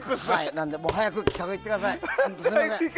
なので、早く企画に行ってください。